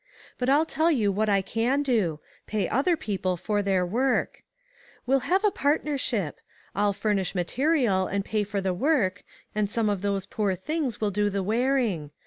But I'll tell you what I can do — pay other people for their work. We'll have a part nership ; I'll furnish material, and pay for the work ; you do the work, and some of those poor things will do the wearing.